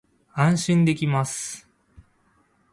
安心できます